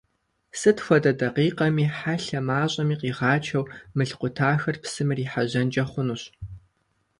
Сыт хуэдэ дакъикъэми хьэлъэ мащӀэми къигъачэу мыл къутахэр псым ирихьэжьэнкӀэ хъунущ.